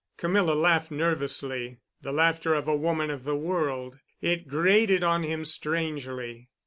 Camilla laughed nervously, the laughter of a woman of the world. It grated on him strangely.